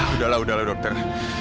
udahlah udahlah dokter